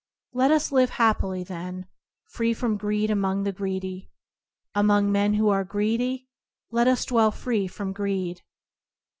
" Let us live happily then, free from greed among the greedy! Among men who are greedy let us dwell free from greed!''